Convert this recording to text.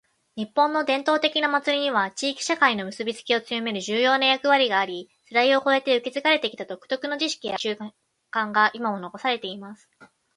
•「日本の伝統的な祭りには、地域社会の結びつきを強める重要な役割があり、世代を超えて受け継がれてきた独特の儀式や慣習が今も残されています。」